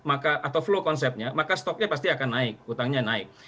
atau flow konsepnya maka stoknya pasti akan naik utangnya naik